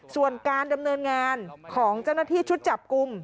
ส่วนการดำเนินงานของเจ้าหน้าที่ชุดจับกลุ่ม